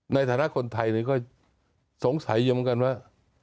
ในฐานะคนไทยก็สงสัยอยู่เหมือนกันว่า